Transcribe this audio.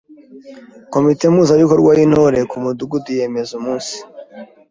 Komite Mpuzabikorwa y’Intore ku Mudugudu yemeza umunsi